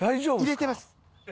入れてます。